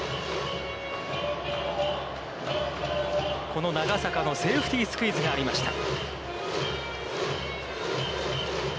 この長坂のセーフティースクイズがありました。